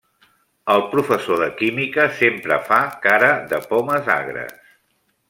El professor de química sempre fa cara de pomes agres.